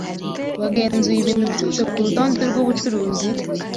Wagenzuye ibintu byose kurutonde rwubucuruzi?